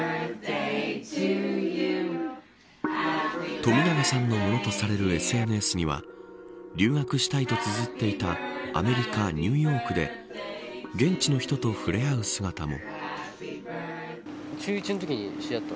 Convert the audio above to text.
冨永さんのものとされるＳＮＳには留学したいとつづっていたアメリカ、ニューヨークで現地の人と触れ合う姿も。